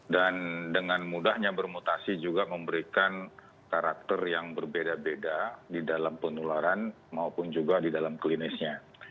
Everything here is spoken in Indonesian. dan dengan mudahnya bermutasi juga memberikan karakter yang berbeda beda di dalam penularan maupun juga di dalam klinisnya